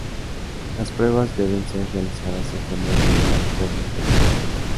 Las pruebas deben ser realizadas en forma individual por los participantes.